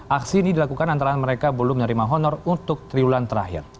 aksi ini dilakukan antara mereka belum menerima honor untuk triwulan terakhir